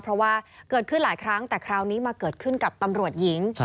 เพราะว่าเกิดขึ้นหลายครั้งแต่คราวนี้มาเกิดขึ้นกับตำรวจหญิง